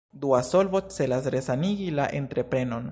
Dua solvo celas resanigi la entreprenon.